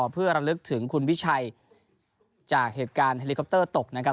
เพื่อระลึกถึงคุณวิชัยจากเหตุการณ์เฮลิคอปเตอร์ตกนะครับ